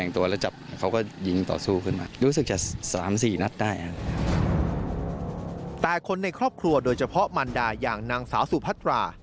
แต่คนในครอบครัวโดยเฉพาะมันดาอย่างนางสาวสุพัตรา